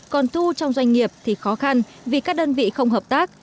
còn thu trong doanh nghiệp thì khó khăn vì các đơn vị không hợp tác